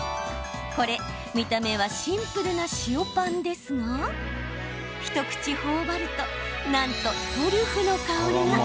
これ、見た目はシンプルな塩パンですが一口ほおばるとなんとトリュフの香りが。